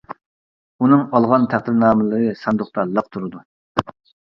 ئۇنىڭ ئالغان تەقدىرنامىلىرى ساندۇقتا لىق تۇرىدۇ.